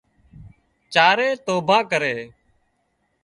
چارانئي توڀان ڪرِي